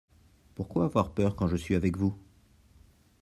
Pourquoi avoir peur quand je suis avec vous ?